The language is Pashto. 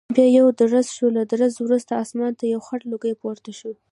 بیا یو درز شو، له درزه وروسته اسمان ته یو خړ لوګی پورته شو.